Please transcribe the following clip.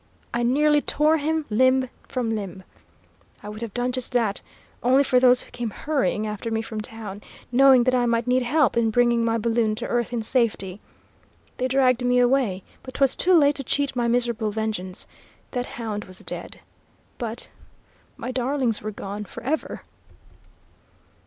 I nearly tore him limb from limb; I would have done just that, only for those who came hurrying after me from town, knowing that I might need help in bringing my balloon to earth in safety. They dragged me away, but 'twas too late to cheat my miserable vengeance. That hound was dead, but my darlings were gone, for ever!"